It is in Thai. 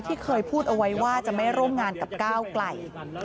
ที่เคยพูดเอาไว้ว่าจะไม่ร่วมงานกับก้าวไกล